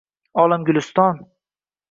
Olam – guliston.